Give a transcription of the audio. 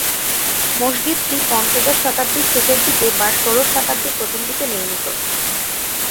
মসজিদটি পঞ্চদশ-শতাব্দীর শেষের দিকে বা ষোড়শ-শতাব্দীর প্রথমদিকে নির্মিত।